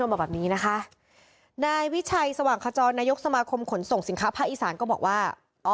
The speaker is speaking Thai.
มาแบบนี้นะคะนายวิชัยสว่างขจรนายกสมาคมขนส่งสินค้าภาคอีสานก็บอกว่าอ๋อ